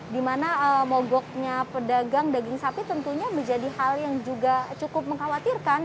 dimana mogoknya pedagang daging sapi tentunya menjadi hal yang juga cukup mengkhawatirkan